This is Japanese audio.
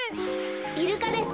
イルカです。